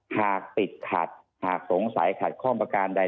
หากติดขัดหากสงสัยขัดข้องประการใด